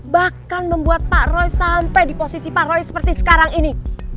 bahkan membuat pak roy sampai di posisi pak roy seperti sekarang ini